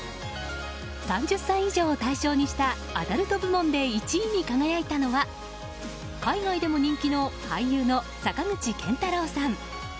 ３０歳以上を対象にしたＡＤＵＬＴ部門で１位に輝いたのは海外でも人気の俳優の坂口健太郎さん。